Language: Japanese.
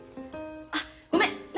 あっごめん何？